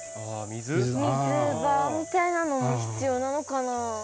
水場みたいなのも必要なのかなぁ。